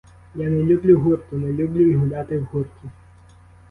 Я не люблю гурту, не люблю й гуляти в гурті.